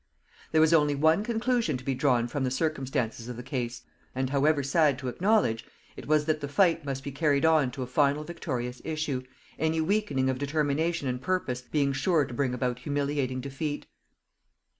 There was only one conclusion to be drawn from the circumstances of the case, and, however sad to acknowledge, it was that the fight must be carried on to a final victorious issue, any weakening of determination and purpose being sure to bring about humiliating defeat.